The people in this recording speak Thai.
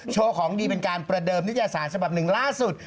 โชว์ของดีเป็นการประเดิมนิตยสารฉบับหนึ่งล่าสุด